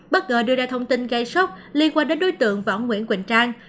bất ngờ đưa ra thông tin gây sốc liên quan đến đối tượng và ông nguyễn quỳnh trang